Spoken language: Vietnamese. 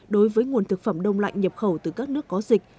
đối với nguồn thực phẩm đông lạnh nhập khẩu từ các nước có dịch